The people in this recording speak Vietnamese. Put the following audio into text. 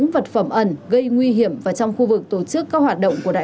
vật phẩm ẩn gây nguy hiểm và trong khu vực tổ chức các hoạt động của đại